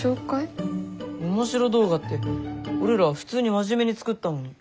オモシロ動画って俺ら普通に真面目に作ったのに。